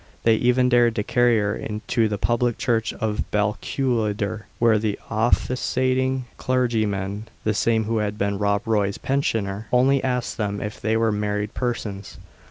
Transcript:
They even dared to carry her to the public church of Balquhidder, where the officiating clergyman (the same who had been Rob Roy's pensioner) only asked them if they were married persons.